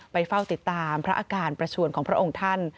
เฝ้าติดตามพระอาการประชวนของพระองค์ท่าน